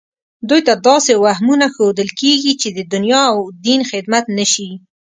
دوی ته داسې وهمونه ښودل کېږي چې د دنیا او دین خدمت نه شي